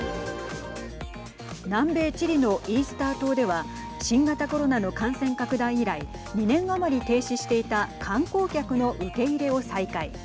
南米チリのイースター島では新型コロナの感染拡大以来２年余り停止していた観光客の受け入れを再開。